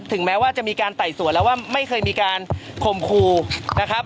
แม้ว่าจะมีการไต่สวนแล้วว่าไม่เคยมีการคมครูนะครับ